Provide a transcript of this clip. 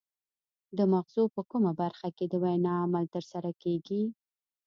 د مغزو په کومه برخه کې د وینا عمل ترسره کیږي